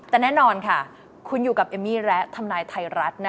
แต่แน่นอนค่ะคุณอยู่กับเอมมี่และทำนายไทยรัฐ